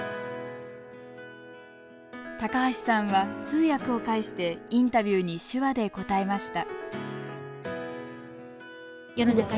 高橋さんは通訳を介してインタビューに手話で答えました。